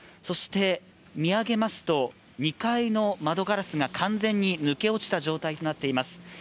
そして見上げますと、２階の窓ガラスが完全に抜け落ちた状態になっています。